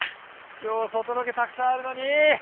今日外ロケたくさんあるのに！